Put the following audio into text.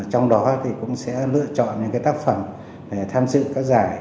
trong đó thì cũng sẽ lựa chọn những tác phẩm để tham dự các giải